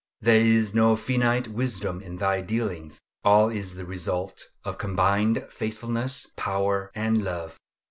There is no finite wisdom in Thy dealings. All is the result of combined faithfulness, power, and love.